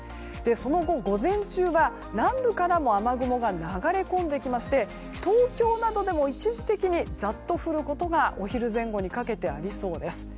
その後、午前中は南部からも雨雲が流れ込んできまして東京などでも一時的にザッと降ることがお昼前後にかけてありそうです。